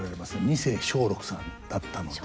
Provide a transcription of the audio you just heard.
二世松緑さんだったので。